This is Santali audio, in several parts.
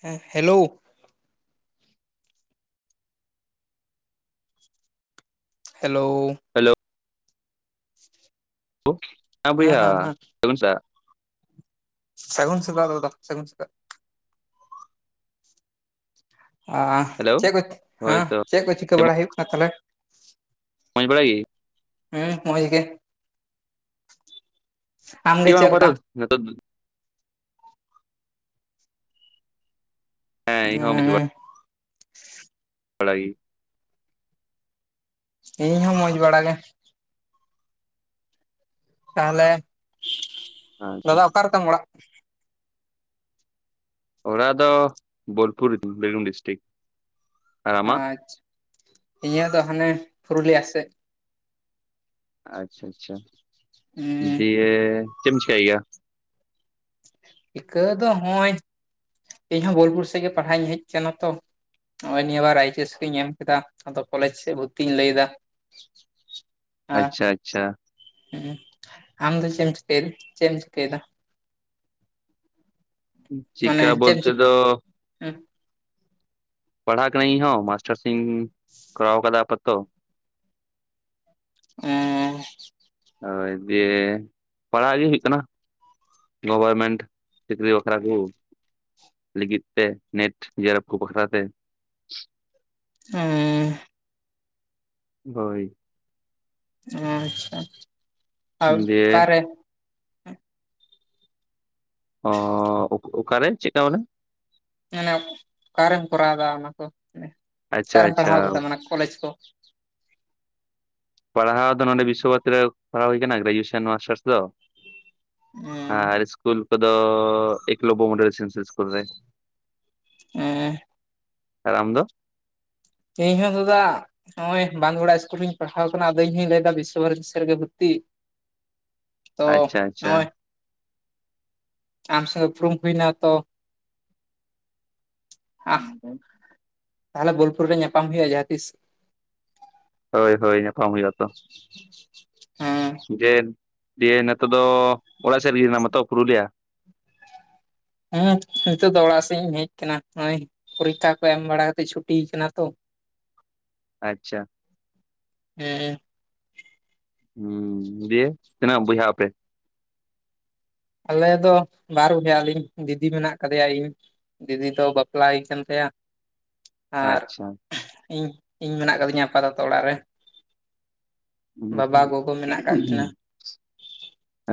ᱦᱮᱸ ᱦᱮᱞᱳ ᱦᱮᱞᱳ ᱦᱮᱞᱳ ᱦᱮᱸ ᱵᱚᱭᱦᱟ [unintelligible] ᱥᱟᱹᱜᱩᱱ ᱥᱮᱛᱟᱜ ᱫᱟᱫᱟ ᱥᱟᱹᱜᱩᱱ ᱥᱮᱛᱟᱜ ᱾ ᱟᱻᱜ ᱦᱮᱞᱳ ᱪᱮᱫ ᱠᱚ, ᱦᱮᱸ ᱦᱳᱭᱛᱚ ᱪᱮᱫ ᱠᱚ ᱪᱤᱠᱟᱹ ᱵᱟᱲᱟ ᱦᱩᱭᱩᱜ ᱠᱟᱱᱟ ᱛᱟᱦᱚᱞᱮ? ᱢᱚᱡᱽ ᱵᱟᱲᱟ ᱜᱮ ᱦᱩᱸ ᱢᱚᱡᱽ ᱜᱮ ᱟᱢᱜᱮ [unintelligible] ᱪᱮᱫ ᱞᱮᱠᱟ ᱵᱟᱝ [unintelligible] ᱦᱮᱸ ᱤᱧ ᱦᱚᱸ ᱢᱚᱡᱽ ᱦᱩᱸ [unintelligible] ᱤᱧ ᱦᱚᱸ ᱢᱚᱡᱽ ᱵᱟᱲᱟ ᱜᱮ᱾ ᱛᱟᱦᱚᱞᱮ ᱟᱪᱪᱷᱟ ᱫᱟᱫᱟ ᱚᱠᱟ ᱨᱮ ᱛᱟᱢ ᱚᱲᱟᱜ? ᱚᱲᱟᱜ ᱫᱚ ᱵᱳᱞᱯᱩᱨ ᱨᱤᱛᱤᱧ, ᱵᱤᱨᱵᱷᱩᱢ ᱰᱤᱥᱴᱤᱠ ᱾ ᱟᱪᱪᱷᱟ, ᱤᱧᱟᱜ ᱫᱚ ᱦᱟᱱᱮ ᱯᱩᱨᱩᱞᱤᱭᱟ ᱥᱮᱫ᱾ ᱟᱪᱪᱷᱟ ᱟᱪᱪᱷᱟ, ᱫᱤᱭᱮ ᱪᱮᱢ ᱪᱤᱠᱟᱹᱭ ᱜᱮᱭᱟ? [unintelligible] ᱫᱚ ᱱᱚᱜᱼᱚᱭ ᱤᱧ ᱦᱚᱸ ᱵᱳᱞᱯᱩᱨ ᱥᱮᱫ ᱜᱮ ᱯᱟᱲᱦᱟᱜ ᱤᱧ ᱦᱮᱡ ᱟᱠᱟᱱᱟ ᱛᱚ᱾ ᱱᱚᱜᱼᱚᱭ ᱱᱤᱭᱟᱹ ᱵᱟᱨ ᱟᱭᱪᱮᱥ ᱠᱚᱧ ᱮᱢ ᱠᱮᱫᱟ ᱟᱫᱚ ᱠᱚᱞᱮᱡᱽ ᱥᱮᱫ ᱵᱷᱚᱨᱛᱤᱧ ᱞᱟᱹᱭ ᱮᱫᱟ᱾ ᱦᱟᱸ ᱟᱪᱪᱷᱟ ᱟᱪᱪᱷᱟ ᱟᱢ ᱫᱚ ᱪᱮᱢ ᱪᱤᱠᱟᱹᱭ [inaudible] ᱪᱮᱢ ᱪᱤᱠᱟᱹᱭ ᱮᱫᱟ? ᱢᱟᱱᱮ ᱪᱤᱠᱟ [inaudible] ᱵᱚᱞᱛᱮ ᱫᱚ ᱯᱟᱲᱦᱟᱜ ᱠᱟᱹᱱᱤᱧ ᱤᱧ ᱦᱚᱸ ᱢᱟᱥᱴᱟᱨᱥ ᱤᱧ ᱠᱚᱨᱟᱣ ᱟᱠᱟᱫᱟ ᱟᱯᱟ ᱛᱚᱛᱚ᱾ ᱮ [inaudible] ᱦᱳᱭ ᱫᱤᱭᱮ, ᱯᱟᱲᱦᱟᱜ ᱜᱮ ᱦᱩᱭᱩᱜ ᱠᱟᱱᱟ ᱾ ᱜᱚᱵᱚᱨᱢᱮᱱᱴ ᱪᱟᱹᱠᱨᱤ ᱵᱟᱠᱷᱨᱟ ᱠᱩ᱾ ᱞᱟᱹᱜᱤᱫ ᱛᱮ, ᱱᱮᱴ ᱡᱤᱟᱨᱮᱯ ᱠᱚ ᱵᱟᱠᱷᱨᱟ ᱛᱮ᱾ [unintelligible] ᱦᱳᱭ ᱟᱪᱪᱷᱟ, ᱟᱨ ᱫᱤᱭᱮ ᱚᱠᱟᱨᱮ? ᱚ ᱚᱠᱟᱨᱮ, ᱪᱮᱫᱠᱟ ᱢᱟᱱᱮ? ᱢᱟᱱᱮ ᱚᱠᱟᱨᱮᱢ ᱠᱚᱨᱟᱣᱮᱫᱟ ᱚᱱᱟ ᱠᱚ ᱟᱪᱪᱷᱟ ᱚᱠᱟᱨᱮᱢ ᱟᱪᱪᱷᱟ ᱯᱟᱲᱦᱟᱣ ᱟᱠᱟᱫᱟ ᱢᱟᱱᱮ ᱠᱚᱞᱮᱡᱽ ᱠᱚ? ᱯᱟᱲᱦᱟᱣ ᱫᱚ ᱱᱚᱸᱰᱮ ᱵᱤᱥᱥᱚ ᱵᱷᱟᱨᱚᱛᱤ ᱨᱮ ᱯᱟᱲᱦᱟᱣ ᱦᱩᱭ ᱠᱟᱱᱟ ᱜᱨᱮᱡᱩᱭᱮᱥᱚᱱ ᱱᱚᱣᱟ ᱢᱟᱥᱴᱟᱨᱥ ᱫᱚ ᱾ ᱟᱨ ᱦᱮᱸ ᱤᱥᱠᱩᱞ ᱠᱚ ᱫᱚ ᱮᱠᱞᱚᱵᱭᱚ ᱢᱳᱰᱮᱞ ᱨᱮᱥᱤᱰᱮᱱᱥᱤᱭᱟᱞ ᱤᱥᱠᱩᱞ ᱨᱮ ᱾ ᱮᱸ ᱟᱨ ᱟᱢ ᱫᱚ? ᱤᱧ ᱦᱚᱸ ᱫᱟᱫᱟ ᱱᱚᱜᱼᱭ ᱵᱟᱸᱛᱜᱚᱲᱟ ᱤᱥᱠᱩᱞ ᱨᱮᱧ ᱯᱟᱲᱦᱟᱣ ᱟᱠᱟᱱᱟ ᱟᱫᱚ ᱤᱧ ᱦᱩᱧ ᱞᱟᱹᱭ ᱮᱫᱟ ᱵᱤᱥᱥᱚ ᱵᱷᱟᱨᱚᱛᱤ ᱥᱮᱫ ᱨᱮ ᱜᱮ ᱵᱷᱚᱨᱛᱤᱜ᱾ [inaudible] ᱟᱪᱪᱷᱟ ᱟᱪᱪᱷᱟ ᱾ ᱟᱢ ᱥᱟᱣ ᱩᱯᱨᱩᱢ ᱦᱩᱭ ᱮᱱᱟ ᱛᱚ ᱛᱟᱦᱞᱮ ᱵᱳᱞᱯᱩᱨ ᱨᱮ ᱧᱟᱯᱟᱢ ᱦᱩᱭᱩᱜᱼᱟ ᱡᱟᱦᱟᱸ ᱛᱤᱥ ᱾ ᱦᱳᱭ ᱦᱳᱭ ᱧᱟᱯᱟᱢ ᱦᱩᱭᱩᱜᱼᱟ ᱛᱚ ᱾ ᱦᱮᱸ ᱡᱮ ᱫᱤᱭᱮ ᱱᱤᱛᱚᱜ ᱫᱚ ᱚᱲᱟᱜ ᱥᱮᱫ ᱨᱮ ᱜᱮ ᱢᱤᱱᱟᱢᱟᱛᱚ ᱯᱩᱨᱩᱞᱤᱭᱟ? ᱦᱮᱸ ᱱᱤᱛᱚᱜ ᱫᱚ ᱚᱲᱟᱜ ᱥᱮᱫ ᱤᱧ ᱦᱮᱡ ᱟᱠᱟᱱᱟ ᱱᱚᱜ ᱚᱭ ᱯᱚᱨᱤᱠᱷᱟ ᱠᱚ ᱮᱢ ᱵᱟᱲᱟ ᱠᱟᱛᱮᱜ ᱪᱷᱩᱴᱤ ᱠᱟᱱᱟ ᱛᱚ ᱾ ᱟᱪᱪᱷᱟ ᱾ ᱦᱮᱸ᱾ ᱦᱩᱸ ᱫᱤᱭᱮ ᱛᱤᱱᱟᱹᱜ ᱵᱚᱭᱦᱟ ᱟᱯᱮ? ᱟᱞᱮ ᱫᱚ ᱵᱟᱨ ᱵᱚᱭᱦᱟ ᱟᱹᱞᱤᱧ ᱫᱤᱫᱤ ᱢᱮᱱᱟᱜ ᱠᱟᱫᱮᱭᱟ ᱤᱧ ᱾ ᱫᱤᱫᱤ ᱫᱚ ᱵᱟᱯᱞᱟ ᱦᱩᱭ ᱠᱟᱱ ᱛᱟᱭᱟ᱾ ᱟᱨ ᱟᱪᱪᱷᱟ ᱤᱧ, ᱤᱧ ᱢᱮᱱᱟᱜ ᱠᱟᱫᱤᱧᱟ ᱟᱯᱟᱛᱚᱛᱚ ᱚᱲᱟᱜ ᱨᱮ᱾ ᱵᱟᱵᱟ ᱜᱚᱜᱚ ᱢᱮᱱᱟᱜ ᱠᱟᱜ ᱠᱤᱱᱟ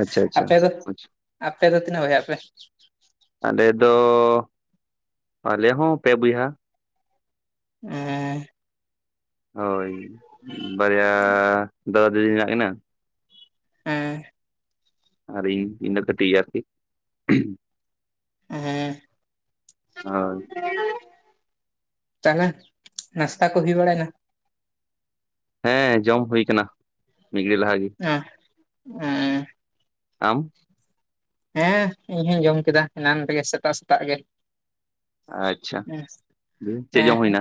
[inaudible] ᱟᱪᱪᱷᱟ ᱟᱪᱪᱷᱟ ᱟᱯᱮ ᱫᱚ ᱟᱯᱮ ᱫᱚ ᱛᱤᱱᱟᱹᱜ ᱵᱚᱭᱦᱟ ᱟᱯᱮ? ᱟᱞᱮ ᱫᱚ ᱟᱞᱮ ᱦᱚᱸ ᱯᱮ ᱵᱚᱭᱦᱟ ᱾ [inaudible] ᱦᱳᱭ ᱵᱟᱨᱭᱟ ᱫᱟᱫᱟ ᱫᱤᱫᱤ ᱦᱮᱱᱟᱜ ᱠᱤᱱᱟᱹ ᱾ ᱦᱮᱸ ᱟᱨ ᱤᱧ, ᱤᱧ ᱫᱚ ᱠᱟᱹᱴᱤᱴ ᱜᱮ ᱟᱨᱠᱤ ᱾ ᱦᱳᱭ ᱾ ᱛᱟᱦᱞᱮ ᱱᱟᱥᱛᱟ ᱠᱚ ᱦᱩᱭ ᱵᱟᱲᱟᱭᱱᱟ? ᱦᱮᱸ ᱡᱚᱢ ᱦᱩᱭ ᱠᱟᱱᱟ, ᱢᱤᱫ ᱜᱷᱟᱹᱨᱤᱡᱽ ᱞᱟᱦᱟ ᱜᱮ ᱾ ᱦᱮᱸ ᱟᱢ ᱦᱮᱸ ᱤᱧ ᱦᱚᱸᱧ ᱡᱚᱢ ᱠᱮᱫᱟ ᱮᱱᱟᱱ ᱨᱮᱜᱮ ᱥᱮᱛᱟᱜ ᱥᱮᱛᱟᱜ ᱜᱮ᱾ ᱟᱪᱪᱷᱟ ᱪᱮᱫ ᱦᱮᱸ ᱡᱚᱢ ᱦᱩᱭᱱᱟ?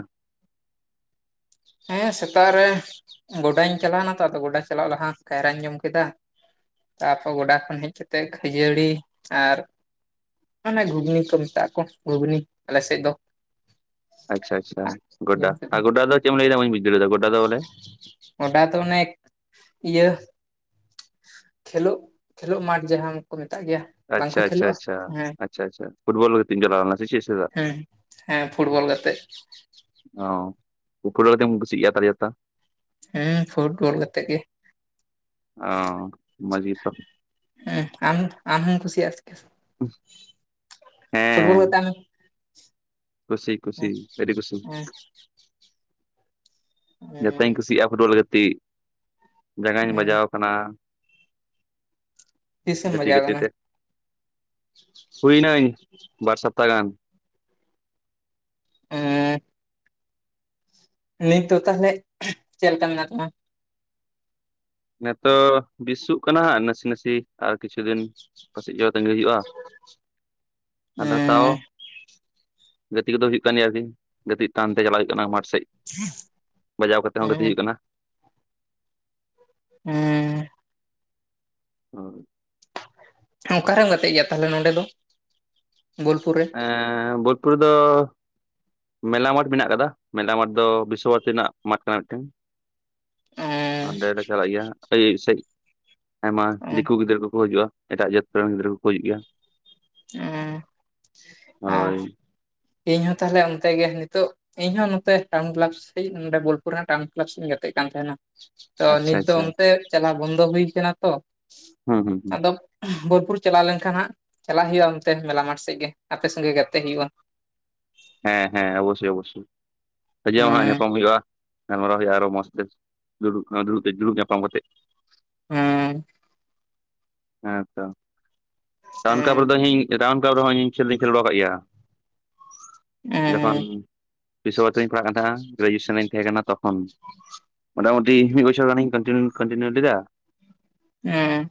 ᱦᱮᱸ ᱥᱮᱛᱟᱜ ᱨᱮ ᱜᱚᱰᱟᱧ ᱪᱟᱞᱟᱣ ᱮᱱᱟ ᱛᱚ ᱟᱫᱚ ᱜᱚᱰᱟ ᱪᱟᱞᱟᱜ ᱞᱟᱦᱟ ᱠᱟᱭᱨᱟᱧ ᱡᱚᱢ ᱠᱮᱫᱟ᱾ ᱛᱟᱯᱚᱨ ᱜᱚᱰᱟ ᱠᱷᱚᱱ ᱦᱮᱡ ᱠᱟᱛᱮᱫ ᱠᱷᱟᱹᱡᱟᱹᱲᱤ ᱟᱨᱼᱼ ᱢᱟᱱᱮ ᱜᱷᱩᱜᱽᱱᱤ ᱠᱚ ᱢᱮᱛᱟᱜ ᱟᱠᱚ ᱜᱷᱩᱜᱽᱱᱤ ᱟᱞᱮᱥᱮᱡ ᱫᱚ ᱟᱪᱪᱷᱟ ᱟᱪᱪᱷᱟ ᱜᱚᱰᱟ ᱡᱚᱢ ᱠᱮᱫ ᱟᱨ ᱜᱚᱰᱟ ᱫᱚ ᱪᱮᱫ ᱮᱢ ᱞᱟᱹᱭᱫᱟ ᱵᱟᱹᱧ ᱵᱩᱡ ᱫᱟᱲᱮᱭᱟᱫᱟ ᱜᱚᱰᱟ ᱫᱚ ᱵᱚᱞᱮᱼᱼ ᱜᱚᱰᱟ ᱢᱟᱱᱮ ᱫᱚ ᱤᱭᱟᱹᱼᱼ ᱠᱷᱮᱞᱳᱜ ᱠᱷᱮᱞᱳᱜ ᱢᱟᱴᱷ ᱡᱟᱦᱟᱸ ᱜᱮ ᱠᱚ ᱢᱮᱛᱟᱜ ᱜᱮᱭᱟ ᱵᱟᱝᱠᱚ ᱟᱪᱪᱷᱟ ᱟᱪᱪᱷᱟ ᱠᱷᱮᱞᱳᱜᱼᱟ ᱟᱪᱪᱷᱟ ᱦᱮᱸ ᱟᱪᱪᱷᱟ ᱟᱪᱪᱷᱟ ᱯᱷᱩᱴᱚᱞ ᱜᱟᱛᱤᱜ ᱮᱢ ᱪᱟᱞᱟᱣ ᱞᱮᱱᱟ ᱥᱮ ᱪᱮᱫ ᱥᱮᱼᱼᱼ ᱦᱮᱸ ᱦᱮᱸ ᱯᱷᱩᱴᱵᱚᱞ ᱜᱟᱛᱮᱜ ᱚ ᱯᱷᱩᱴᱵᱚᱞ ᱜᱟᱛᱮᱢ ᱠᱩᱥᱤᱜ ᱜᱮᱭᱟ [unintelligible] ᱦᱮᱸ ᱯᱷᱩᱴᱵᱚᱞ ᱜᱟᱛᱮᱜ ᱜᱮ᱾ ᱚ ᱢᱚᱡᱽ ᱜᱮᱛᱚ ᱦᱮᱸ ᱟᱢ ᱟᱢ ᱦᱚᱸᱢ ᱠᱷᱩᱥᱤᱭᱟᱜᱼᱼ ᱯᱷᱩᱴᱵᱚᱞ ᱦᱮᱸ ᱜᱟᱛᱮᱜ ᱟᱢ ᱠᱩᱥᱤ ᱠᱩᱥᱤ ᱟᱹᱰᱤ ᱠᱩᱥᱤ ᱡᱚᱛᱚᱧ ᱠᱩᱥᱤᱭᱟᱜᱼᱟ ᱯᱷᱩᱴᱵᱚᱞ ᱜᱟᱛᱤᱜ ᱡᱟᱸᱜᱟᱧ ᱵᱟᱡᱟᱣᱼᱼ ᱠᱟᱱᱟ ᱛᱤᱥᱮᱢ ᱜᱟᱛᱤ ᱵᱟᱡᱟᱣ ᱜᱟᱛᱤ ᱠᱟᱱᱟ ᱛᱮᱼᱼ ᱦᱩᱭ ᱮᱱᱟᱹᱧ ᱵᱟᱨ ᱥᱚᱯᱛᱟᱦᱚ ᱜᱟᱱ ᱮᱸᱻ ᱱᱤᱛ ᱫᱚ ᱛᱟᱞᱦᱮ ᱪᱮᱫ ᱞᱮᱠᱟ ᱢᱮᱱᱟᱜ ᱛᱟᱢᱟ? ᱱᱮᱛᱳ ᱵᱤᱥᱩᱜ ᱠᱟᱱᱟ ᱱᱟᱥᱤ ᱱᱟᱥᱤ ᱟᱨ ᱠᱤᱪᱷᱩ ᱫᱤᱱ ᱯᱟᱹᱥᱤᱡ ᱫᱚ ᱛᱟᱸᱜᱤ ᱦᱩᱭᱩᱜᱼᱟ᱾ ᱮᱸᱻ ᱜᱟᱛᱤ ᱠᱚᱫᱚ ᱦᱩᱭᱩᱜ ᱠᱟᱱ ᱜᱮᱭᱟ ᱟᱨᱠᱤ ᱜᱟᱛᱤᱜ ᱴᱟᱱᱛᱮ ᱪᱟᱞᱟᱜ ᱦᱩᱭᱩᱜ ᱠᱟᱱᱟ ᱢᱟᱴᱷ ᱥᱮᱡ᱾ ᱵᱟᱡᱟᱣ ᱠᱟᱛᱮ ᱦᱚᱸ ᱜᱟᱛᱤᱜ ᱦᱩᱭᱩᱜ ᱠᱟᱱᱟ᱾ ᱮᱸᱻ ᱦᱳᱭ᱾ ᱚᱠᱟᱨᱮᱢ ᱜᱟᱛᱮᱜ ᱜᱮᱭᱟ ᱛᱟᱦᱚᱞᱮ ᱱᱚᱸᱰᱮ ᱫᱚ ᱵᱳᱞᱯᱩᱨ ᱨᱮ? ᱮᱸᱻ ᱵᱳᱞᱯᱩᱨ ᱨᱮᱫᱚ ᱢᱮᱞᱟ ᱢᱟᱴ ᱢᱮᱱᱟᱜ ᱠᱟᱫᱟ, ᱢᱮᱞᱟ ᱢᱟᱴ ᱫᱚ ᱵᱤᱥᱥᱚ ᱵᱷᱟᱨᱚᱛᱤ ᱨᱮᱱᱟᱜ ᱢᱟᱴᱷ ᱠᱟᱱᱟ ᱢᱤᱫᱴᱮᱱ᱾ ᱚᱸᱰᱮ ᱞᱮ ᱪᱟᱞᱟᱜ ᱜᱮᱭᱟ ᱟᱹᱭᱩᱵ ᱥᱮᱡ, ᱟᱭᱢᱟ ᱫᱤᱠᱩ ᱜᱤᱫᱽᱨᱟᱹ ᱠᱚᱠᱚ ᱦᱤᱡᱩᱜᱼᱟ ᱮᱴᱟᱜ ᱡᱟᱹᱛ ᱠᱚ ᱨᱮᱱ ᱜᱤᱫᱽᱨᱟᱹ ᱠᱚᱠᱚ ᱦᱤᱡᱩᱜ ᱟ᱾ ᱚᱸ ᱟᱦ ᱤᱧ ᱦᱚᱸ ᱛᱟᱦᱚᱞᱮ ᱚᱱᱛᱮ ᱜᱮ ᱱᱤᱛᱳᱜ ᱤᱧ ᱦᱚᱸ ᱱᱚᱛᱮ ᱴᱟᱣᱩᱱ ᱠᱮᱞᱟᱵᱥ ᱥᱮᱡ ᱱᱚᱸᱰᱮ ᱵᱳᱞᱯᱩᱨ ᱨᱮᱱᱟᱜ ᱴᱟᱣᱩᱱ ᱠᱮᱞᱟᱵ ᱥᱟᱶ ᱤᱧ ᱜᱟᱛᱮᱜ ᱠᱟᱱ ᱛᱟᱸᱦᱮᱱᱼᱟ᱾ ᱛᱚ ᱟᱪᱪᱷᱟ ᱱᱤᱛ ᱫᱚ ᱟᱪᱪᱷᱟ ᱚᱱᱛᱮ ᱪᱟᱞᱟᱣ ᱵᱚᱱᱫᱚ ᱦᱩᱭ ᱠᱟᱱᱟ ᱛᱚ, ᱦᱩᱸ ᱦᱩᱸ ᱦᱩᱸ ᱟᱫᱚ ᱵᱳᱞᱯᱩᱨ ᱪᱟᱞᱟᱣ ᱞᱮᱱᱠᱷᱟᱱ ᱦᱟᱸᱜ ᱪᱟᱞᱟᱜ ᱦᱩᱭᱩᱜᱼᱟ ᱚᱱᱛᱮ ᱢᱮᱞᱟ ᱢᱟᱴᱷ ᱥᱮᱫ ᱜᱮ ᱟᱯᱮ ᱥᱚᱸᱜᱮ ᱜᱟᱛᱮ ᱦᱩᱭᱩᱜᱼᱟ᱾ ᱦᱮᱸ ᱦᱮᱸ ᱚᱵᱚᱥᱥᱳᱭ ᱚᱵᱚᱥᱥᱳᱭ ᱦᱤᱡᱩᱜ ᱟᱢ ᱦᱟᱸᱜ ᱦᱩᱸ ᱧᱟᱯᱟᱢ ᱦᱩᱭᱩᱜᱼᱟ᱾ ᱜᱟᱞᱢᱟᱨᱟᱣ ᱦᱩᱭᱩᱜᱼᱟ ᱟᱨᱚ ᱢᱚᱸᱡ ᱛᱮ ᱫᱩᱲᱩᱵ ᱫᱩᱲᱩᱵ ᱛᱮ ᱫᱩᱲᱩᱵ ᱧᱟᱯᱟᱢ ᱠᱟᱛᱮᱜ᱾ ᱦᱮᱸ᱾ ᱦᱮᱸᱛᱚ ᱴᱟᱣᱩᱱ ᱠᱮᱞᱟᱵ ᱦᱩᱸ ᱨᱮᱫᱚ ᱤᱧ ᱨᱟᱣᱩᱱ ᱠᱮᱞᱟᱵ ᱨᱮᱦᱚᱸ ᱤᱧ ᱠᱷᱮᱞ ᱫᱚᱧ ᱠᱷᱮᱞ ᱵᱟᱲᱟ ᱠᱟᱜ ᱜᱮᱭᱟ ᱡᱚᱠᱷᱚᱱ ᱦᱩᱸ ᱵᱤᱥᱚ ᱵᱷᱟᱨᱚᱛᱤ ᱨᱤᱧ ᱯᱟᱲᱦᱟᱜ ᱠᱟᱱ ᱛᱟᱦᱮᱸᱱᱟ ᱜᱨᱮᱡᱩᱭᱮᱥᱚᱱᱤᱧ ᱛᱟᱦᱮᱸ ᱠᱟᱱᱟ ᱛᱠᱷᱚᱱ᱾ ᱢᱚᱴᱟᱢᱚᱴᱤ ᱢᱤᱫ ᱵᱚᱪᱷᱚᱨ ᱜᱟᱱᱤᱧ ᱠᱟᱱᱴᱤᱱᱤᱭᱩ ᱠᱟᱱᱴᱤᱱᱤᱭᱩ ᱤᱫᱤ ᱞᱮᱫᱟ, ᱮᱸ᱾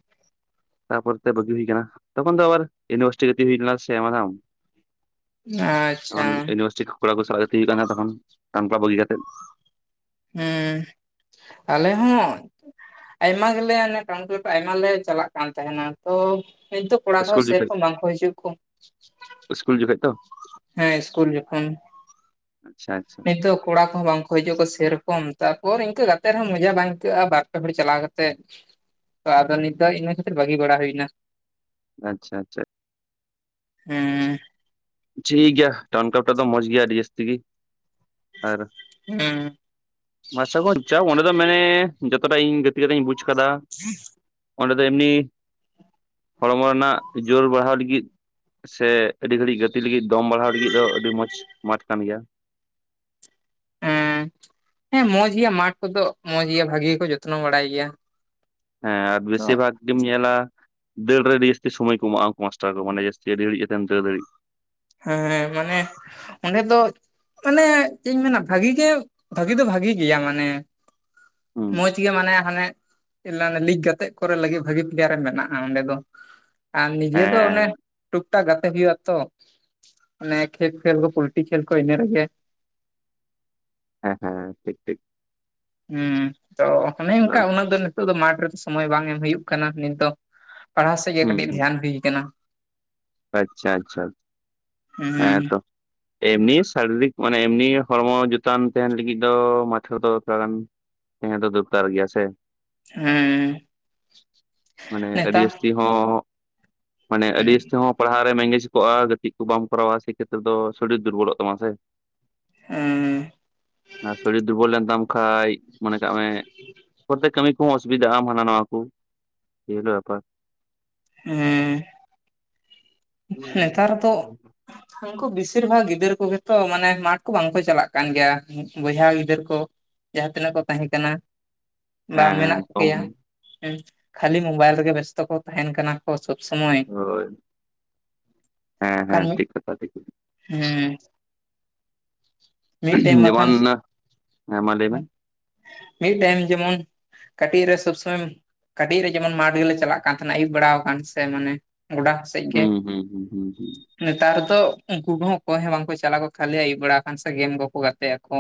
ᱛᱟᱯᱚᱨ ᱛᱮ ᱵᱟᱹᱜᱤ ᱦᱩᱭ ᱠᱟᱱᱟ, ᱛᱚᱠᱷᱚᱱ ᱫᱚ ᱟᱨ ᱤᱭᱩᱱᱤᱵᱷᱟᱨᱥᱤᱴᱤ ᱜᱟᱛᱤ ᱦᱩᱭ ᱞᱮᱱᱟ ᱥᱮ ᱟᱪᱪᱷᱟ ᱛᱚᱠᱷᱚᱱ ᱤᱭᱩᱱᱤᱵᱷᱟᱨᱥᱤᱴᱤ ᱠᱚᱲᱟ ᱠᱚ ᱥᱟᱞᱟᱜ ᱜᱟᱛᱤ ᱦᱩᱭᱩᱜ ᱠᱟᱱᱟ ᱛᱚᱠᱷᱚᱱ ᱴᱟᱩᱱ ᱠᱞᱟᱵ ᱵᱟᱹᱜᱤ ᱠᱟᱛᱮᱜ᱾ ᱦᱩᱸ ᱟᱞᱮ ᱦᱚᱸ ᱟᱭᱢᱟ ᱜᱮᱞᱮ ᱴᱟᱣᱩᱱ ᱛᱮ ᱟᱭᱢᱟ ᱞᱮ ᱪᱟᱞᱟᱜ ᱠᱟᱱ ᱛᱟᱦᱮᱱᱼᱟ, ᱛᱚ ᱱᱤᱛ ᱫᱚ ᱠᱚᱲᱟ ᱠᱚᱦᱚᱸ ᱤᱥᱠᱩᱞ ᱡᱚᱠᱷᱚᱡ ᱥᱮᱨᱚᱠᱚᱢ ᱵᱟᱝ ᱠᱚ ᱦᱤᱡᱩᱜ ᱠᱩ, ᱤᱥᱠᱩᱞ ᱡᱚᱠᱷᱚᱡ ᱛᱚ ᱦᱮᱸ ᱤᱥᱠᱩᱞ ᱡᱚᱠᱷᱚᱱ᱾ ᱟᱪᱪᱷᱟ ᱟᱪᱪᱷᱟ ᱱᱤᱛᱳᱜ ᱠᱚᱲᱟ ᱠᱚᱦᱚᱸ ᱵᱟᱝ ᱠᱚ ᱦᱤᱡᱩᱜ ᱟᱠᱚ ᱥᱮᱨᱚᱠᱚᱢ ᱛᱟᱨᱯᱚᱨ ᱤᱱᱠᱟᱹ ᱜᱟᱛᱮᱜ ᱨᱮᱦᱚᱸ ᱢᱚᱡᱟ ᱵᱟᱝ ᱟᱹᱭᱠᱟᱹᱜᱼᱟ ᱵᱟᱨ ᱯᱮ ᱦᱚᱲ ᱪᱟᱞᱟᱣ ᱠᱟᱛᱮᱜ ᱛᱚ ᱟᱫᱚ ᱱᱤᱛ ᱫᱚ ᱤᱱᱟᱹ ᱠᱷᱟᱹᱛᱤᱨ ᱵᱷᱟᱹᱜᱤ ᱵᱟᱲᱟ ᱦᱩᱭᱱᱟ᱾ ᱟᱪᱷᱟ ᱟᱪᱷᱟ᱾ ᱟᱪᱪᱷᱟ ᱦᱮᱸ ᱴᱷᱤᱠ ᱜᱮᱭᱟ ᱴᱟᱣᱩᱱ ᱠᱞᱟᱯ ᱴᱟᱜ ᱫᱚ ᱢᱚᱸᱡ ᱜᱮᱭᱟ ᱟᱹᱰᱤ ᱡᱟᱹᱥ ᱛᱤᱜᱤ ᱟᱨ ᱦᱮᱸ ᱢᱟᱨᱥᱟ ᱜᱚᱸᱡ ᱪᱟ ᱚᱸᱰᱮ ᱫᱚ ᱢᱟᱱᱮ ᱡᱚᱛᱚᱴᱟ ᱤᱧ ᱜᱟᱛᱮ ᱠᱟᱛᱮ ᱤᱧ ᱵᱩᱡ ᱠᱟᱫᱟ, ᱚᱸᱰᱮ ᱫᱚ ᱮᱢᱱᱤ ᱦᱚᱲᱢᱚ ᱨᱮᱱᱟᱜ ᱡᱳᱨ ᱵᱟᱲᱦᱟᱣ ᱞᱟᱹᱜᱤᱫ ᱥᱮ ᱟᱹᱰᱤ ᱜᱷᱟᱹᱲᱤᱡ ᱜᱟᱛᱮᱤ ᱞᱟᱹᱜᱤᱫ ᱫᱚᱢ ᱵᱟᱲᱦᱟᱣ ᱞᱟᱹᱜᱤᱫ ᱫᱚ ᱟᱹᱰᱤ ᱢᱚᱸᱡᱽ ᱢᱟᱴᱷ ᱠᱟᱱ ᱜᱮᱭᱟ᱾ ᱦᱮᱸ, ᱦᱮᱸ ᱢᱚᱸᱡᱽ ᱜᱮᱭᱟ ᱢᱟᱴᱷ ᱠᱚᱫᱚ ᱢᱚᱸᱡ ᱜᱮ ᱵᱷᱟᱜᱤ ᱜᱮᱠᱚ ᱡᱚᱛᱱᱚ ᱵᱟᱲᱟᱭ ᱜᱮᱭᱟ᱾ ᱦᱮᱸ ᱟᱨ ᱛᱚ ᱵᱮᱥᱤᱨ ᱵᱷᱟᱜ ᱟᱰᱤᱢ ᱧᱮᱞᱟ ᱫᱟᱹᱲ ᱨᱮ ᱟᱹᱰᱤ ᱡᱟᱹᱥᱛᱤ ᱥᱚᱢᱚᱭ ᱠᱚ ᱮᱢᱟᱜᱼᱟ ᱩᱱᱠᱩ ᱢᱟᱥᱴᱟᱨ ᱠᱚ ᱢᱟᱱᱮ ᱡᱟᱹᱥᱛᱤ ᱟᱹᱰᱤ ᱜᱟᱹᱲᱤᱡ ᱠᱟᱛᱮᱢ ᱫᱟᱹᱲ ᱫᱟᱲᱤᱜ᱾ ᱦᱮᱸ ᱦᱮᱸ ᱢᱟᱱᱮ ᱚᱸᱰᱮ ᱫᱚ ᱢᱟᱱᱮ ᱪᱮᱫ ᱤᱧ ᱢᱮᱱᱟ ᱵᱷᱟᱹᱜᱤ ᱜᱮ ᱵᱷᱟᱹᱜᱤ ᱫᱚ ᱵᱷᱟᱜᱤ ᱜᱮᱭᱟ, ᱢᱟᱱᱮ ᱦᱩᱸ ᱢᱚᱡ ᱜᱮ ᱢᱟᱱᱮ ᱦᱟᱸᱱᱮ [unintelligible] ᱞᱤᱜ ᱜᱟᱛᱮᱜ ᱠᱚᱨᱮ ᱞᱟᱹᱜᱤᱫ ᱵᱷᱟᱜᱤ ᱯᱞᱮᱭᱟᱨ ᱮᱢ ᱢᱮᱱᱟᱜᱼᱟ ᱚᱸᱰᱮ ᱫᱚ᱾ ᱟᱨ ᱱᱤᱡᱮ ᱫᱚ ᱚᱱᱮ ᱦᱮᱸ ᱴᱩᱠ-ᱴᱟᱠ ᱜᱟᱛᱮᱜ ᱦᱩᱭᱩᱜ-ᱟ ᱛᱚ, ᱚᱱᱮ ᱠᱷᱮᱯ ᱠᱷᱮᱞ ᱠᱚ ᱯᱩᱞᱴᱤᱨᱤ ᱠᱷᱮᱞ ᱠᱚ ᱤᱱᱟᱹ ᱨᱮᱜᱮ ᱦᱮᱸ ᱦᱮᱸ ᱴᱷᱤᱠ ᱴᱷᱤᱠ᱾ ᱩᱸ ᱛᱚ ᱚᱱᱮ ᱚᱱᱠᱟ ᱩᱱᱟᱹᱜ ᱫᱚ ᱱᱤᱛᱚᱜ ᱫᱚ, ᱢᱟᱴᱷ ᱨᱮᱫᱚ ᱥᱚᱢᱚᱭ ᱵᱟᱝ ᱮᱢ ᱦᱩᱭᱩᱜ ᱠᱟᱱᱟ᱾ ᱱᱤᱛ ᱫᱚ ᱯᱟᱲᱦᱟᱣ ᱥᱮᱫ ᱜᱮ ᱠᱟᱹᱴᱤᱡ ᱫᱷᱮᱭᱟᱱ ᱦᱩᱭ ᱟᱠᱟᱱᱟ᱾ ᱟᱪᱪᱷᱟ-ᱟᱪᱪᱷᱟ ᱦᱩᱸ ᱦᱮᱸ ᱛᱚ ᱮᱢᱱᱤ ᱥᱟᱨᱤᱨᱤᱠ ᱢᱟᱱᱮ ᱮᱢᱱᱤ ᱦᱚᱲᱢᱚ ᱡᱩᱛᱟᱱ ᱛᱟᱦᱮᱱ ᱞᱟᱹᱜᱤᱫ ᱫᱚ ᱢᱟᱴᱷ ᱫᱚ ᱛᱷᱚᱲᱟ ᱜᱟᱱ ᱦᱮᱸ ᱛᱚ ᱫᱚᱨᱠᱟᱨ ᱜᱮᱭᱟ ᱥᱮ ᱦᱩᱸ ᱢᱟᱱᱮ ᱟᱹᱰᱤ ᱱᱮᱛᱟᱨ ᱡᱟᱹᱥᱛᱤ ᱦᱚᱸ ᱢᱟᱱᱮ ᱟᱹᱰᱤ ᱡᱟᱹᱥᱛᱤ ᱦᱚᱸ ᱯᱟᱲᱦᱟᱣ ᱨᱮᱢ ᱮᱸᱜᱮᱡ ᱠᱚᱜᱼᱟ᱾ ᱜᱟᱛᱮᱜ ᱠᱚ ᱵᱟᱢ ᱯᱚᱨᱚᱵᱥᱤ ᱠᱷᱮᱛᱨᱮ ᱫᱚ ᱥᱚᱨᱤᱨ ᱫᱩᱨᱵᱚᱞᱚᱜ ᱛᱟᱢᱟ ᱥᱮ ᱦᱮᱸ ᱟᱨ ᱥᱚᱨᱤᱨ ᱫᱩᱨᱵᱚᱞ ᱞᱮᱱ ᱛᱟᱢ ᱠᱷᱟᱱ᱾ ᱢᱚᱱᱮ ᱠᱟᱜ ᱢᱮ ᱯᱨᱚᱛᱛᱮᱠ ᱠᱟᱹᱢᱤ ᱚᱥᱩᱵᱤᱫᱟ ᱟᱢ ᱦᱟᱱᱟ ᱱᱟᱣᱟ ᱠᱚ, ᱜᱤᱫᱽᱨᱹᱟ ᱟᱯᱟᱛ ᱦᱮᱸ ᱱᱮᱛᱟᱨ ᱛᱚ ᱩᱱᱠᱩ ᱵᱮᱥᱤᱨ ᱵᱷᱟᱜᱽ ᱜᱤᱫᱟᱹᱨ ᱠᱚᱜᱮ ᱛᱚ, ᱢᱟᱱᱮ ᱢᱟᱴᱷ ᱠᱚ ᱵᱟᱝᱠᱚ ᱪᱟᱞᱟᱜ ᱠᱟᱱ ᱜᱮᱭᱟ ᱵᱚᱭᱦᱟ ᱜᱤᱫᱟᱹᱨ ᱠᱚ᱾ ᱡᱟᱦᱟᱸ ᱛᱤᱱᱟᱹᱜ ᱠᱚ ᱛᱟᱦᱮᱸ ᱠᱟᱱᱟ᱾ ᱵᱟᱝ ᱦᱮᱸ ᱢᱮᱱᱟᱜ ᱠᱚ ᱠᱚᱢ ᱜᱮᱭᱟ᱾ ᱦᱮᱸ ᱠᱷᱟᱞᱤ ᱢᱳᱵᱟᱭᱤᱞ ᱨᱮᱜᱮ ᱵᱮᱥᱛᱚ ᱠᱚ ᱛᱟᱦᱮᱱ ᱠᱟᱱᱟ ᱠᱚ ᱥᱚᱵ ᱥᱚᱢᱚᱭ᱾ ᱦᱳᱭ, ᱦᱮᱸ- ᱦᱮᱸ ᱴᱷᱤᱠ ᱠᱟᱛᱷᱟ ᱴᱷᱤᱠ᱾ ᱦᱩ ᱸ ᱞᱟᱭᱮᱫᱟ ᱛᱟᱦᱮᱧᱡ ᱵᱟᱠᱷᱟᱱ, ᱡᱮᱢᱚᱱ ᱦᱮᱸ ᱢᱟ ᱞᱟᱹᱭ ᱢᱮ ᱞᱟᱭᱮᱫᱛᱟᱦᱮᱱᱤᱧ ᱡᱮᱢᱚᱱ ᱠᱟᱹᱴᱤᱡ ᱨᱮ ᱥᱚᱵ ᱥᱚᱢᱚᱭ ᱠᱟᱹᱴᱤᱡ ᱨᱮ ᱡᱮᱢᱚᱱ ᱢᱟᱴ ᱜᱮᱞᱤᱧ ᱪᱟᱞᱟᱜ ᱠᱟᱱ ᱛᱟᱦᱮᱱᱟ᱾ ᱟᱹᱭᱩᱵ ᱵᱟᱲᱟ ᱟᱠᱟᱱ ᱥᱮ ᱢᱟᱱᱮ ᱜᱚᱰᱟ ᱥᱮᱫ ᱜᱮ ᱦᱩᱸ- ᱦᱩᱸ- ᱦᱩᱸ ᱦᱩᱸ ᱦᱩᱸ ᱱᱮᱛᱟᱨ ᱫᱚ ᱩᱱᱠᱩ ᱠᱚᱦᱚᱸ ᱚᱠᱚᱭ ᱦᱚᱸ ᱵᱟᱝᱠᱚ ᱪᱟᱞᱟᱜ ᱠᱚ ᱠᱷᱟᱹᱞᱤ ᱟᱹᱭᱩᱵ ᱵᱮᱲᱟ ᱟᱠᱟᱱ ᱥᱮ ᱜᱮᱢ ᱠᱚᱠᱚ ᱜᱟᱛᱮᱜ ᱟᱠᱚ᱾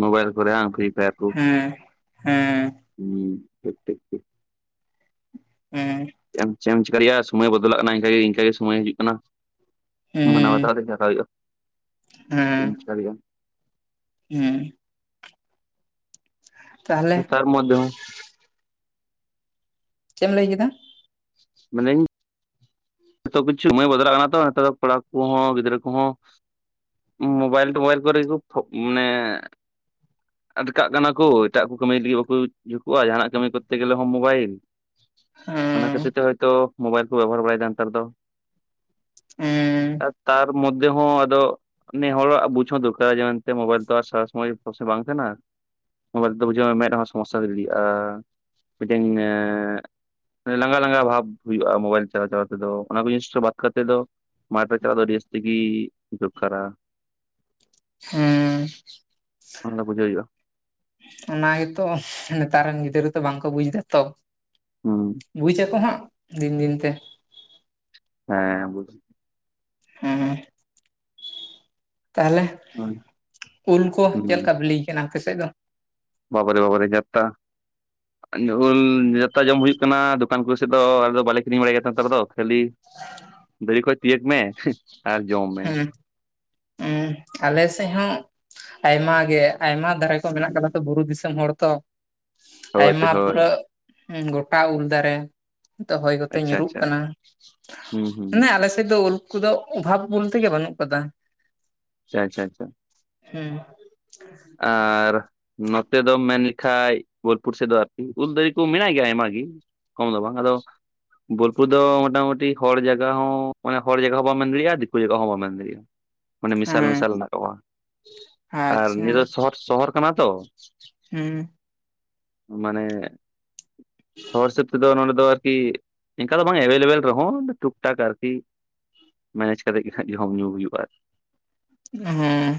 ᱢᱳᱵᱟᱭᱤᱞ ᱠᱚᱨᱮ ᱦᱟᱜ ᱯᱷᱨᱤ ᱯᱷᱟᱭᱟᱨ ᱠᱚ᱾ ᱦᱮᱸ- ᱦᱮᱸ ᱦᱩᱸ ᱴᱷᱤᱠ - ᱴᱷᱤᱠ - ᱴᱷᱤᱠ᱾ ᱦᱮᱸ ᱪᱮᱫ ᱮᱢ ᱪᱤᱠᱟᱹ ᱫᱟᱲᱮᱭᱟᱜᱼᱟ, ᱥᱚᱢᱚᱭ ᱵᱚᱫᱚᱞᱚᱜ ᱟᱠᱟᱱᱟ, ᱤᱱᱠᱮ ᱥᱚᱢᱚᱭ ᱦᱤᱡᱩᱜ ᱠᱟᱱᱟ᱾ ᱢᱟᱱᱣ ᱦᱮᱸ ᱵᱟᱛᱟᱣ ᱛᱮ ᱪᱟᱞᱟᱜ ᱦᱩᱭᱩᱼᱟ᱾ ᱦᱚᱢᱸ ᱛᱟᱦᱚᱞᱮ ᱛᱟᱨ ᱢᱚᱫᱷᱮ ᱦᱚᱼᱼ ᱪᱮᱫ ᱮᱢ ᱞᱟᱹᱭ ᱠᱮᱫᱟ? [unintelligible] ᱛᱚ ᱠᱤᱪᱷᱩ ᱥᱚᱢᱚᱭ ᱵᱚᱫᱚᱞ ᱠᱟᱱᱟ ᱛᱚ ᱱᱮᱛᱟᱨ ᱫᱚ ᱠᱚᱲᱟ ᱠᱚᱦᱚᱸ ᱜᱤᱫᱽᱨᱟᱹ ᱠᱚᱦᱚᱸᱼᱼ ᱢᱳᱵᱟᱭᱤᱞ ᱴᱳᱵᱟᱭᱮᱞ ᱠᱚᱨᱮ ᱦᱳᱠ [unintelligible] ᱢᱟᱱᱮᱼᱼ ᱟᱴᱠᱟᱜ ᱠᱟᱱᱟ ᱠᱩ ᱮᱴᱟᱜ ᱠᱚ ᱠᱟᱹᱢᱤ ᱞᱟᱹᱜᱤᱫ ᱵᱟᱠᱚ ᱡᱷᱩᱠᱚᱜᱼᱟ ᱡᱟᱦᱟᱱᱟᱜ ᱠᱟᱹᱢᱤ ᱠᱚᱨᱛᱮ ᱜᱮᱞᱮ ᱦᱚᱸ ᱢᱳᱵᱟᱭᱤᱞ ᱾ ᱚᱱᱟ ᱦᱮᱸ ᱠᱷᱟᱹᱛᱤᱨ ᱛᱮ ᱦᱳᱭᱛᱳ ᱢᱳᱵᱟᱭᱤᱞ ᱠᱚ ᱵᱮᱵᱚᱦᱟᱨ ᱵᱟᱲᱟᱭᱮᱫᱟ ᱱᱮᱛᱟᱨ ᱫᱚ᱾ ᱦᱮᱸ ᱟ ᱛᱟᱨ ᱢᱚᱫᱽᱫᱷᱮ ᱦᱚᱸ ᱟᱫᱚᱼᱼ ᱱᱮ ᱦᱚᱲᱟᱜ ᱵᱩᱡᱽ ᱦᱚᱸ ᱫᱚᱨᱠᱟᱨᱟ ᱡᱮᱢᱚᱱ ᱛᱮ ᱢᱳᱵᱟᱭᱤᱞ ᱛᱚ ᱟᱨ ᱥᱟᱨᱟ ᱥᱚᱢᱚᱭ [unintelligible] ᱵᱟᱝ ᱠᱟᱱᱟ ᱾ ᱢᱳᱵᱟᱭᱤᱞ ᱛᱮ ᱵᱩᱡᱷᱟᱹ ᱢᱮ ᱢᱮᱫᱽ ᱦᱚᱸ ᱥᱚᱢᱚᱥᱥᱟ ᱦᱳᱭ ᱫᱟᱲᱮᱭᱟᱜᱼᱟ᱾ ᱢᱤᱫᱴᱮᱱ ᱞᱟᱸᱜᱟ ᱞᱟᱸᱜᱟ ᱵᱷᱟᱵ ᱦᱩᱭᱩᱜᱼᱟ ᱢᱳᱵᱟᱭᱤᱞ ᱪᱟᱞᱟᱣ ᱪᱟᱞᱟᱣ ᱛᱮ ᱾ ᱟᱫᱚ ᱚᱱᱟ ᱠᱚ ᱡᱤᱱᱤᱥ ᱵᱟᱫ ᱠᱟᱛᱮᱫ ᱫᱚ ᱢᱟᱴᱷᱨᱮ ᱪᱟᱞᱟᱣ ᱫᱚ ᱟᱹᱰᱤ ᱡᱟᱹᱥᱛᱤ ᱜᱮ ᱫᱚᱨᱠᱟᱨᱟ ᱾ ᱦᱮᱸ ᱚᱱᱟ ᱫᱚ ᱵᱩᱡᱷᱟᱹᱣ ᱦᱩᱭᱩᱜᱼᱟ ᱾ ᱚᱱᱟ ᱜᱮᱛᱚ ᱱᱮᱛᱟᱨ ᱨᱮᱱ ᱜᱤᱫᱽᱨᱟᱹ ᱛᱚ ᱵᱟᱝᱠᱚ ᱵᱩᱡ ᱫᱟ ᱛᱚ ᱦᱩᱸ ᱾ ᱵᱩᱡ ᱟᱠᱚ ᱦᱟᱸᱜ ᱫᱤᱱ ᱫᱤᱱ ᱫᱤᱱᱛᱮ ᱦᱮᱸ [unintelligible] ᱾ ᱦᱩᱢᱸ ᱛᱟᱦᱚᱞᱮ, ᱩᱞ ᱠᱚ ᱪᱮᱫ ᱦᱩᱸ ᱞᱮᱠᱟ ᱵᱤᱞᱤ ᱠᱟᱱᱟ ᱟᱯᱮ ᱥᱮᱫ ᱫᱚ? ᱵᱟᱵᱟᱨᱮ ᱵᱟᱵᱟᱨᱮ ᱡᱟᱛᱛᱟ ᱾ [inaudible] ᱩᱞ ᱡᱚᱛᱚ ᱡᱚᱢ ᱦᱩᱭᱩᱜ ᱠᱟᱱᱟ ᱫᱚᱠᱟᱱ ᱠᱚ ᱥᱮᱫ ᱫᱚ ᱵᱟᱞᱮ ᱠᱤᱨᱤᱧ ᱵᱟᱲᱟᱭ ᱜᱮᱭᱟ ᱱᱮᱛᱟᱨ ᱫᱚ ᱠᱷᱟᱹᱞᱤᱼᱼ ᱵᱤᱞᱤ ᱠᱚ ᱛᱤᱭᱹᱟᱜ ᱢᱮ ᱟᱨ ᱡᱚᱢ ᱢᱮ [inaudible] ᱟᱞᱮ ᱥᱮᱫ ᱦᱚᱸᱼᱼ ᱟᱭᱢᱟ ᱜᱮ ᱟᱭᱢᱟ ᱫᱷᱟᱨᱮ ᱠᱚ ᱢᱮᱱᱟᱜ ᱠᱟᱫᱟ ᱛᱚ ᱵᱩᱨᱩ ᱫᱤᱥᱚᱢ ᱦᱚᱲ ᱛᱚ ᱾ ᱦᱳᱭ ᱟᱭᱢᱟ ᱦᱳᱭ ᱯᱩᱨᱟᱹ ᱜᱚᱴᱟ ᱩᱞ ᱫᱟᱨᱮ ᱾ ᱛᱚ ᱦᱚᱭ ᱠᱚᱛᱮ ᱟᱪᱪᱷᱟ ᱧᱩᱨᱦᱩᱜ ᱟᱪᱪᱷᱟ ᱠᱟᱱᱟ ᱦᱩᱸ ᱦᱩᱸ ᱢᱟᱱᱮ ᱟᱞᱮ ᱥᱮᱫ ᱫᱚ ᱩᱞ ᱠᱚᱫᱚ ᱚᱵᱷᱟᱵᱽᱼᱼ ᱩᱞ ᱱᱚᱛᱮ ᱜᱮ ᱵᱟᱹᱱᱩᱜ ᱠᱟᱫᱟ ᱾ ᱟᱪᱷᱟ ᱟᱪᱷᱟ ᱦᱩᱸ ᱾ ᱟᱨᱻ ᱱᱚᱛᱮ ᱫᱚ ᱢᱮᱱ ᱞᱮᱠᱷᱟᱡ ᱵᱳᱞᱯᱩᱨ ᱥᱮᱫ ᱫᱚ ᱩᱞ ᱫᱟᱨᱮ ᱠᱚ ᱢᱮᱱᱟ ᱜᱮᱭᱟ ᱟᱭᱢᱟ ᱜᱮ᱾ ᱠᱚᱢ ᱫᱚ ᱵᱟᱝ ᱟᱫᱚᱼᱼ ᱵᱳᱞᱯᱩᱨ ᱫᱚ ᱢᱚᱴᱟᱢᱩᱴᱤ ᱦᱚᱲ ᱡᱟᱭᱜᱟ ᱦᱚᱸ ᱚᱱᱟ ᱦᱚᱲ ᱡᱟᱭᱜᱟ ᱦᱚᱸ ᱵᱟᱢ ᱢᱮᱱ ᱫᱟᱲᱮᱭᱟᱜᱼᱟ ᱫᱤᱠᱩ ᱡᱟᱭᱜᱟ ᱦᱚᱸ ᱵᱟᱢ ᱢᱮᱱ ᱫᱟᱲᱮᱭᱟᱜᱼᱟ᱾ [inaudible] ᱢᱟᱱᱮ ᱢᱮᱥᱟᱞ ᱢᱮᱥᱟᱞ ᱦᱮᱱᱟᱜ [unintelligible] ᱟᱨ ᱟᱪᱪᱷᱟ ᱱᱤᱭᱟᱹᱼᱼ ᱥᱚᱦᱚᱨ ᱥᱚᱦᱚᱨ ᱠᱟᱱᱟ ᱛᱚ ᱦᱩᱸ ᱚ ᱢᱟᱱᱮ ᱾ ᱥᱚᱦᱚᱨ ᱦᱤᱥᱟᱹᱵ ᱛᱮᱫᱚ ᱱᱚᱰᱮ ᱫᱚᱼᱼ ᱠᱤ ᱤᱱᱠᱟ ᱫᱚ ᱵᱟᱝ ᱮᱵᱮᱞᱮᱵᱮᱞ ᱨᱮᱦᱚᱸ ᱴᱩᱠ ᱴᱟᱠ ᱟᱨᱠᱤ ᱢᱮᱱᱮᱡ ᱠᱟᱛᱮ ᱜᱮ ᱠᱟᱴᱤᱡ ᱡᱚᱢ ᱧᱩ ᱦᱩᱭᱩᱜᱼᱟ, ᱦᱮᱸ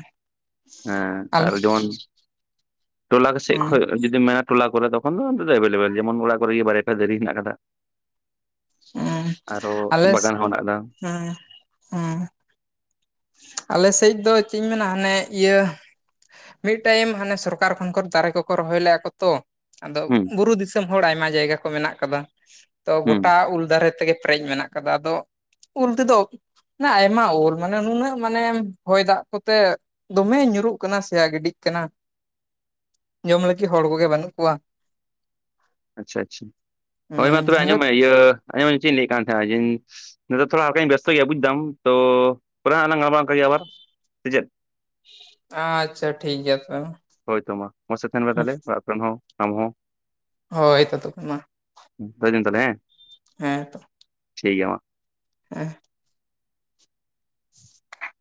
ᱦᱮᱸ᱾ ᱟᱞᱮ ᱚᱱ [unintelligible] ᱴᱚᱞᱟᱨ ᱥᱮᱡ ᱦᱮᱸ ᱠᱷᱚᱱᱼᱼ ᱡᱚᱫᱤ ᱢᱮᱱᱟ ᱴᱚᱞᱟ ᱠᱚᱨᱮ ᱛᱚᱠᱷᱚᱱ ᱫᱚ ᱮᱵᱮᱞᱮᱵᱮᱞ ᱡᱮᱢᱚᱱ ᱚᱲᱟᱜ ᱠᱚᱨᱮᱜᱮ ᱵᱟᱨᱮᱭᱟ ᱯᱮᱭᱟ ᱫᱟᱨᱮ ᱦᱮᱱᱟᱜ ᱠᱟᱫᱟ ᱾ ᱦᱩᱸᱟᱞᱮ ᱥᱮ ᱵᱟᱜᱟᱱ ᱦᱚᱸ ᱢᱮᱱᱟᱜ ᱟᱠᱟᱫᱟ ᱦᱩᱸ ᱦᱩᱸ ᱟᱞᱮ ᱥᱮᱫ ᱫᱚ ᱪᱮᱫ ᱤᱧ ᱢᱮᱱᱟ ᱦᱟᱱᱮ ᱤᱭᱟᱹᱼᱼ ᱢᱤᱫ ᱴᱟᱭᱤᱢ ᱦᱟᱱᱮ ᱥᱚᱨᱠᱟᱨ ᱠᱷᱚᱱ ᱠᱚ ᱫᱟᱨᱮ ᱠᱚᱠᱚ ᱨᱚᱦᱚᱭ ᱞᱮᱫᱼᱟ ᱠᱚ ᱛᱚ ᱾ ᱟᱫᱚ ᱦᱩᱸ ᱵᱩᱨᱩ ᱫᱤᱥᱚᱢ ᱦᱚᱲ ᱟᱭᱢᱟ ᱡᱟᱭᱜᱟ ᱠᱚ ᱢᱮᱱᱟᱜ ᱠᱟᱫᱟ ᱾ ᱛᱚ ᱦᱩᱸ ᱜᱚᱴᱟ ᱩᱞ ᱫᱟᱨᱮ ᱛᱮᱜᱮ ᱯᱮᱨᱮᱡ ᱢᱮᱱᱟᱜᱼᱼ ᱠᱟᱫᱟ ᱟᱫᱚ ᱩᱞ ᱛᱮᱫᱚ ᱟᱭᱢᱟ ᱩᱞ ᱢᱟᱱᱮ ᱱᱩᱱᱟᱹᱜᱼᱼ ᱢᱟᱱᱮ ᱦᱚᱭ ᱫᱟᱜ ᱠᱚᱛᱮ ᱫᱚᱢᱮ ᱧᱩᱨᱩᱜ ᱠᱟᱱᱟ ᱥᱮᱭᱟ ᱜᱤᱰᱤᱜ ᱠᱟᱱᱟ ᱾ ᱡᱚᱢ ᱞᱟᱹᱜᱤᱫ ᱦᱚᱲ ᱠᱚᱜᱮ ᱵᱟᱹᱱᱩᱜ ᱠᱚᱣᱟ᱾ ᱟᱪᱷᱟ ᱟᱪᱷᱟ ᱦᱳᱭ ᱢᱟ ᱛᱚᱵᱮ ᱦᱩᱸ ᱟᱸᱡᱚᱢ ᱢᱮ, ᱤᱭᱟᱹ ᱟᱸᱚᱢ ᱢᱮ ᱪᱮᱫ ᱤᱧ ᱞᱟᱹᱭᱮᱫ ᱠᱟᱱ ᱛᱟᱦᱮᱸᱱᱟᱧ ᱱᱤᱛᱟᱨ ᱛᱷᱚᱲᱟᱠᱟᱧ ᱵᱮᱥᱛᱚ ᱜᱮᱭᱟ ᱵᱩᱡ ᱮᱫᱟᱢ, ᱛᱚ ᱯᱚᱨᱮᱟᱸ ᱞᱟᱝ ᱜᱟᱞᱢᱟᱣᱟᱜ ᱜᱮᱭᱟ ᱟᱵᱟᱨ ᱥᱮ ᱪᱮᱫ᱾ ᱟᱪᱷᱟ ᱴᱷᱤᱠ ᱜᱮᱭᱟ ᱛᱚᱵᱮ ᱢᱟ᱾ ᱦᱳᱭᱛᱳ ᱢᱟ ᱢᱚᱡᱽ ᱛᱮ ᱛᱟᱦᱮᱱ ᱢᱮ ᱛᱟᱦᱞᱮ ᱵᱟᱯ ᱦᱚᱸ ᱟᱢ ᱦᱚᱸ᱾ ᱦᱳᱭ ᱛᱚ ᱛᱚᱵᱮ ᱢᱟ᱾ ᱦᱸ ᱫᱟᱹᱭ ᱫᱤᱱ ᱛᱟᱞᱮ ᱮᱸ? ᱦᱮᱸ ᱛᱚ ᱴᱷᱤᱠ ᱜᱮᱭᱟ ᱢᱟ᱾ ᱦᱮᱸ [inaudible]